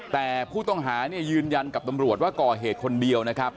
แต่ผู้ต้องหาเนี่ยยืนยันกับตำรวจว่าก่อเหตุคนเดียวนะครับ